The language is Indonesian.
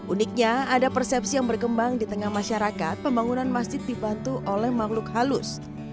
uniknya ada persepsi yang berkembang di tengah masyarakat pembangunan masjid dibantu oleh makhluk halus